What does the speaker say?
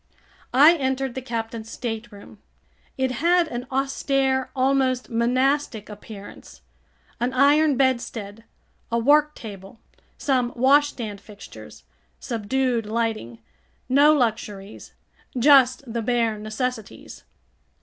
I entered the captain's stateroom. It had an austere, almost monastic appearance. An iron bedstead, a worktable, some washstand fixtures. Subdued lighting. No luxuries. Just the bare necessities.